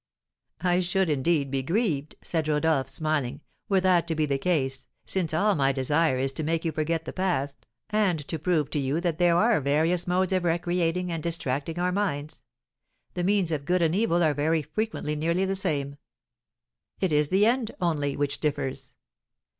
"I should, indeed, be grieved," said Rodolph, smiling, "were that to be the case, since all my desire is to make you forget the past, and to prove to you that there are various modes of recreating and distracting our minds; the means of good and evil are very frequently nearly the same: it is the end, only, which differs.